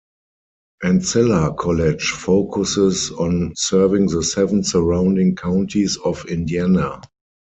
Ancilla College focuses on serving the seven surrounding counties of Indiana.